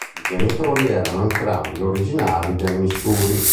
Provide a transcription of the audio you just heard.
I genitori erano entrambi originari del Missouri.